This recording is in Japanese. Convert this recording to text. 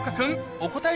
お答え